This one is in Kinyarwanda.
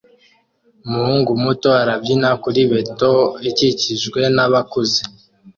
Umuhungu muto arabyina kuri beto ikikijwe nabakuze